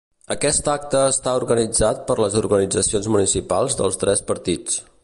Aquest acte està organitzat per les organitzacions municipals dels tres partits.